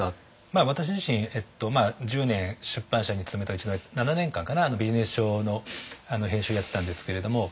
私自身１０年出版社に勤めたうちの７年間かなビジネス書の編集をやってたんですけれども。